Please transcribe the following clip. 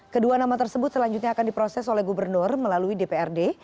kedua nama tersebut selanjutnya akan diproses oleh gubernur melalui dprd